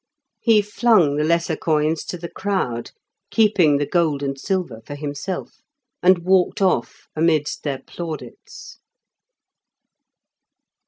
He flung the lesser coins to the crowd, keeping the gold and silver for himself, and walked off amidst their plaudits.